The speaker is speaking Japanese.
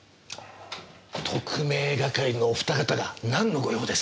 特命係のお二方がなんのご用ですか？